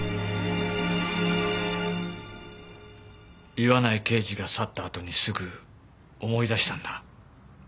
岩内刑事が去ったあとにすぐ思い出したんだ。